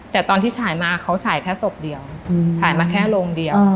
แต่ตอนที่ฉายมาเขาฉายแค่ศพเดียวฉายมาแค่โรงเดียว